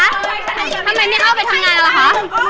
ทำไมไม่เข้าไปทำงานล่ะคะ